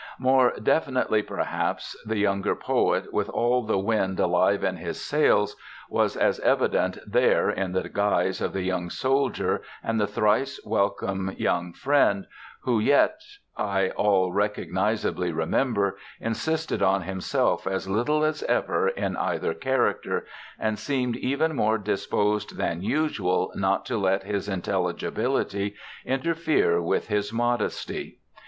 More definitely perhaps the young poet, with all the wind alive in his sails, was as evident there in the guise of the young soldier and the thrice welcome young friend, who yet, I all recognisably remember, insisted on himself as little as ever in either character, and seemed even more disposed than usual not to let his intelligibility interfere with his modesty.